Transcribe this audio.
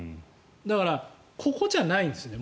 だから、ここじゃないんですね